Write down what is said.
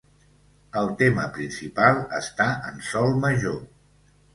El tema principal està en sol major.